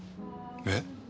えっ？